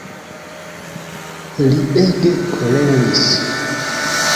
Li ege koleris.